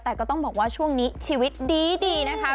แต่ก็ต้องบอกว่าช่วงนี้ชีวิตดีนะคะ